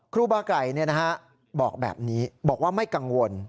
ครูบาไก่บอกแบบนี้บอกว่าไม่กังวล